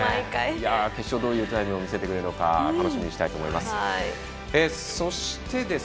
決勝、どういう戦いを見せてくれるのか楽しみにしています。